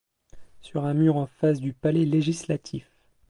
Sur un mur en face du Palais Législatif.